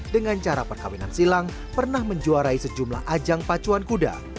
dengan cara perkawinan silang pernah menjuarai sejumlah ajang pacuan kuda